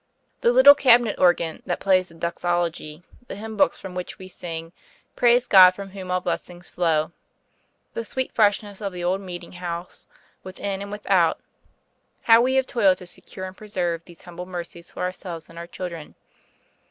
The little cabinet organ that plays the doxology, the hymn books from which we sing "Praise God from whom all blessings flow," the sweet freshness of the old meeting house, within and without how we have toiled to secure and preserve these humble mercies for ourselves and our children!